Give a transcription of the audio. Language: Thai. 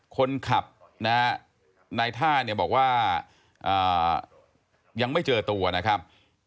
คนขับในท่าบอกว่ายังไม่เจอตัวนะครับ